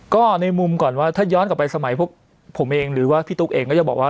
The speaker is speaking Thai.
ก็ในมุมก่อนว่าถ้าย้อนกลับไปสมัยพวกผมเองหรือว่าพี่ตุ๊กเองก็จะบอกว่า